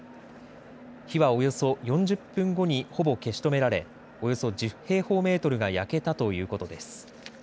火はおよそ４０分後にほぼ消し止められおよそ１０平方メートルが焼けたということです。